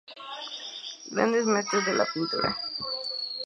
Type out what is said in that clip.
Grandes Maestros de la pintura.